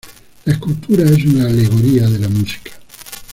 La escultura es una alegoría de la música.